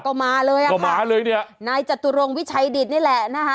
ก็มาเลยอ่ะก็มาเลยเนี่ยนายจตุรงวิชัยดิตนี่แหละนะคะ